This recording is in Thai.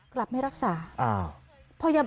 กลับไม่รักษาอ้าว